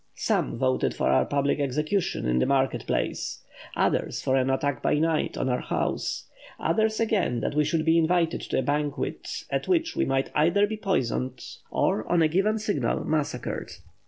Some voted for our public execution in the market place; others for an attack by night on our house; others, again, that we should be invited to a banquet, at which we might either be poisoned, or, on a given signal, massacred.